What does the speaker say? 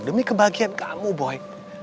demi kebahagiaan kamu boy